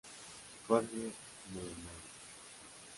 Jorge Newbery.